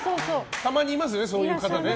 たまにいますよね、そういう方。